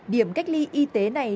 điểm cách ly y tế này